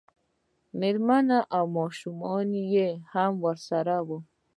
مېرمنه او ماشومان یې هم ورسره وو.